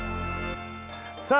さあ